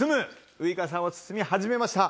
ウイカさんは包み始めました。